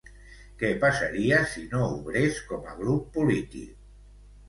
Què passaria si no obrés com a grup polític?